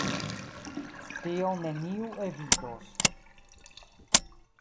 Tion neniu evitos.